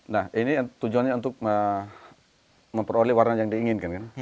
nah ini tujuannya untuk memperoleh warna yang diinginkan kan